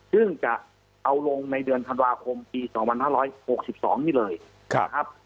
ซึ่งจะเอาลงในเดือนธันวาคมปี๒๕๖๒นี่เลยนะครับ